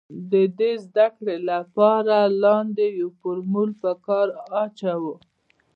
د دې د زده کړې له پاره لاندې يو فورمول په کار اچوو